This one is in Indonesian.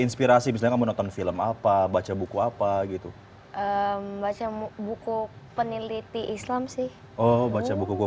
informasi bisa menonton film apa baca buku apa gitu baca buku peneliti islam sih oh baca buku gue